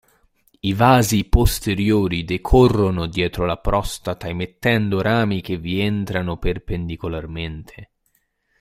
I vasi posteriori decorrono dietro la prostata emettendo rami che vi entrano perpendicolarmente.